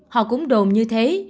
họ cũng đồn như thế